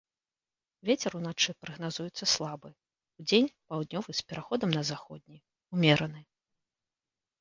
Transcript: Вецер уначы прагназуецца слабы, удзень паўднёвы з пераходам на заходні, умераны.